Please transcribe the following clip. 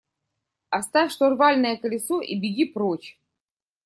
– Оставь штурвальное колесо и беги прочь.